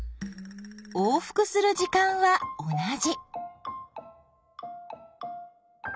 往復する時間は同じ。